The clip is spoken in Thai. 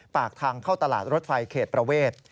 ปากทางเข้าตลาดรถไฟเขตประเวท